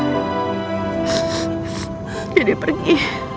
nanti aku akan pergi